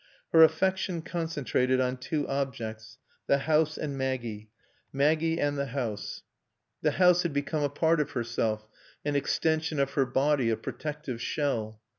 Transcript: Her affection concentrated on two objects, the house and Maggie, Maggie and the house. The house had become a part of herself, an extension of her body, a protective shell.